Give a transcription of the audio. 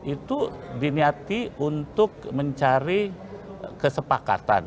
itu diniati untuk mencari kesepakatan